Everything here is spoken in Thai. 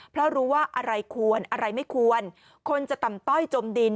เพราะรู้ว่าอะไรควรอะไรไม่ควรคนจะต่ำต้อยจมดิน